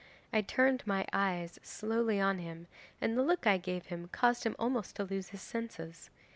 I turned my eyes slowly on him, and the look I gave him caused him almost to lose his senses.